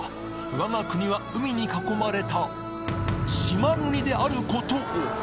我が国は海に囲まれた島国であることを！